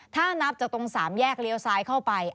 ถ้านับจากตรงสามแยกเลี้ยวซ้ายเข้าไป